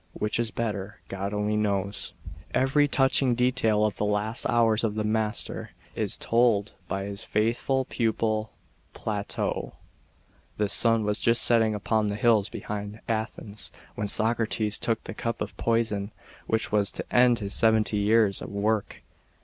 Which is better, God only knows." Every touching detail of the last hours of the master is carefully told by his faithful pupil Plato. The sun was just setting upon the hills behind Athens, when Socrates took the cup of poison, which was to end his seventy years of work.